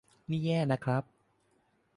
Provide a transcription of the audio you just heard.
นี่แย่นะครับ